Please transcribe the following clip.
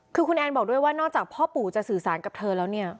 คือคุณแอนบอกด้วยว่านอกจากพ่อปู่จะสื่อสารกับเธอแล้วเนี่ย